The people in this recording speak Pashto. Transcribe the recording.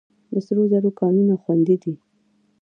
د سرو زرو کانونه خوندي دي؟